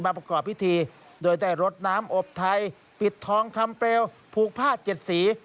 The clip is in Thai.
ประกอบพิธีโดยได้รดน้ำอบไทยปิดทองคำเปลวผูกผ้าเจ็ดสี